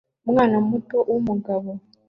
Umwana muto wumugabo